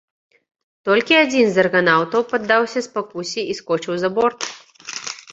Толькі адзін з арганаўтаў паддаўся спакусе і скочыў за борт.